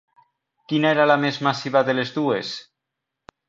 Quina era la més massiva de les dues?